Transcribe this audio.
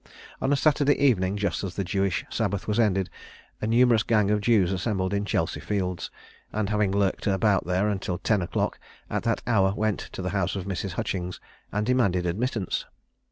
On a Saturday evening, just as the Jewish Sabbath was ended, a numerous gang of Jews assembled in Chelsea Fields; and having lurked about there until ten o'clock, at that hour went to the house of Mrs. Hutchings, and demanded admittance.